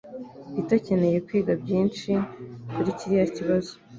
Peter akeneye kwiga byinshi kuri kiriya kibazo.